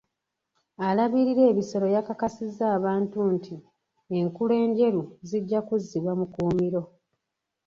Alabirira ebisolo yakakasizza abantu nti enkula enjeru zijja kuzzibwa mu kkuumiro.